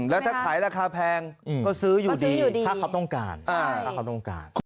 แล้วถ้าขายราคาแพงก็ซื้ออยู่ดีถ้าเขาต้องการ